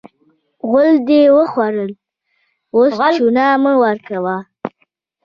غول دې وخوړل؛ اوس چونه مه ورکوه.